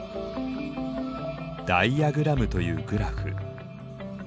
ダイアグラムというグラフ。